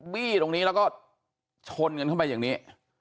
บี้ตรงนี้แล้วก็ชนกันเข้าไปอย่างนี้